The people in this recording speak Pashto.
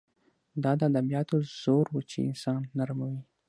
دا د ادبیاتو زور و چې انسان نرموي